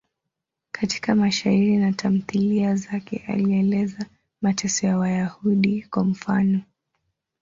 Katika mashairi na tamthiliya zake alieleza mateso ya Wayahudi, kwa mfano.